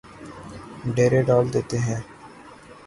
ڈیرے ڈال دیتے ہیں